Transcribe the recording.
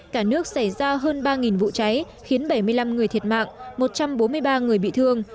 cả nước xảy ra hơn ba vụ cháy khiến bảy mươi năm người thiệt mạng một trăm bốn mươi ba người bị thương